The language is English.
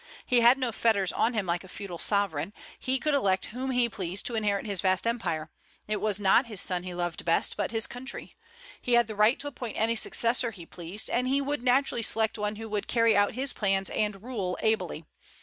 He had no fetters on him like a feudal sovereign; he could elect whom he pleased to inherit his vast empire. It was not his son he loved best, but his country. He had the right to appoint any successor he pleased, and he would naturally select one who would carry out his plans and rule ably.